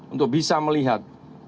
untuk bisa melihat